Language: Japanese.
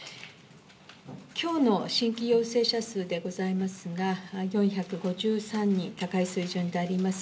今日の新規陽性者数ですが４５３人、高い水準であります。